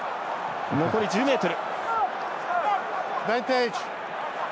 残り１０ｍ。